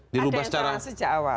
ada yang salah sejak awal